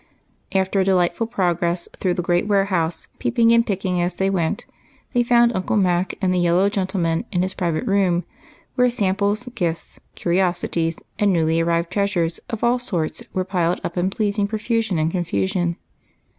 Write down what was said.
After a delightful progress through the great ware house, peeping and picking as they went, they found Uncle Mac and the yellow gentlemen in his private room, where samples, gifts, curiosities, and newly arrived treasures of all sorts were piled up in pleasing pro fusion and con fusion.